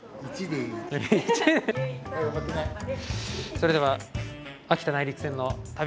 それでは秋田内陸線の旅。